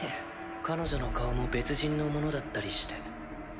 彼女の顔も別人のものだったりして。